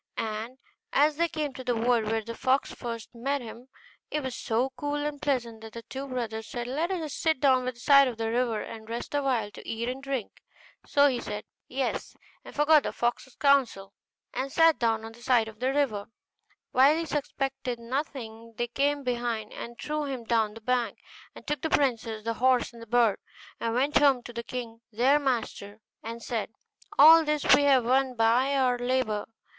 And as they came to the wood where the fox first met them, it was so cool and pleasant that the two brothers said, 'Let us sit down by the side of the river, and rest a while, to eat and drink.' So he said, 'Yes,' and forgot the fox's counsel, and sat down on the side of the river; and while he suspected nothing, they came behind, and threw him down the bank, and took the princess, the horse, and the bird, and went home to the king their master, and said. 'All this have we won by our labour.